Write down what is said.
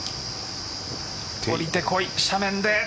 下りてこい、斜面で。